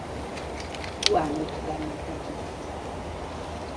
Guanót termeltek ki belőle.